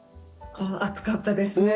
暑かったですね。